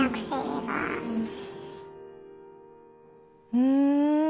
うん。